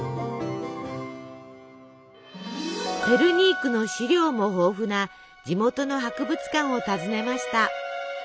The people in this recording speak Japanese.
ペルニークの資料も豊富な地元の博物館を訪ねました。